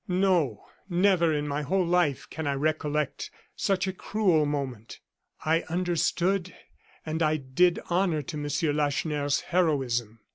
No, never in my whole life can I recollect such a cruel moment. I understood, and I did honor to Monsieur Lacheneur's heroism.